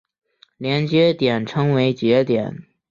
连接点称为节点。